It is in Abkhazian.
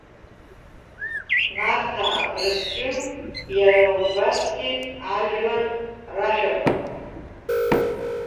Нарҭаа, Абрыскьыл, иара убасгьы ажәлар рашәақәа.